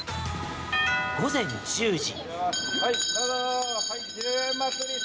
午前１０時。